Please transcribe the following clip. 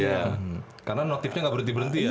iya karena notifnya nggak berhenti berhenti ya